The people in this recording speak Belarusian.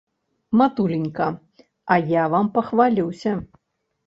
Матуленька, а я вам пахвалюся!